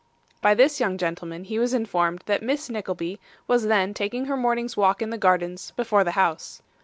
By this young gentleman he was informed that Miss Nickleby was then taking her morning's walk in the gardens before the house.